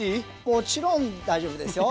もちろん大丈夫ですよ。